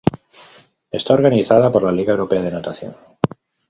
Está organizada por la Liga Europea de Natación.